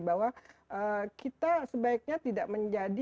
bahwa kita sebaiknya tidak menjadi